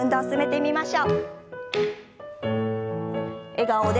笑顔で。